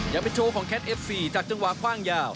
ยังเป็นโชว์ของแคทเอฟซีจากจังหวะคว่างยาว